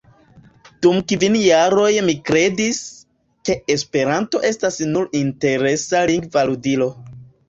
Dum kvin jaroj mi kredis, ke Esperanto estas nur interesa lingva ludilo.